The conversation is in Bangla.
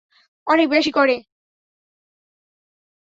অনেক বেশি করে।